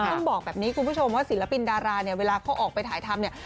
ต้องบอกแบบนี้คุณผู้ชมว่าศิลปินดาราเนี่ยเวลาเขาออกไปถ่ายทำเนี่ย